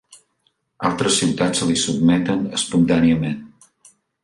Altres ciutats se li sotmeten espontàniament.